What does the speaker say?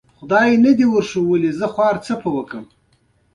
ژوندۍ دې وي سوله، موږ کورونو ته ځو.